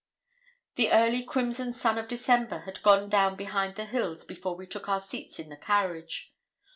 The early crimson sun of December had gone down behind the hills before we took our seats in the carriage.